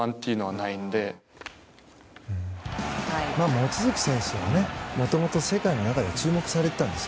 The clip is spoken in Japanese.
望月選手はもともと世界の中では注目されてたんです。